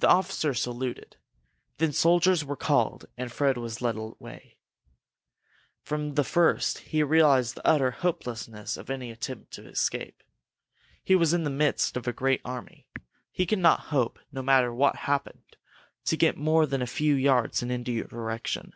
The officers saluted. Then soldiers were called and Fred was led away. From the first he realized the utter hopelessness of any attempt to escape. He was in the midst of a great army. He could not hope, no matter what happened, to get more than a few yards in any direction.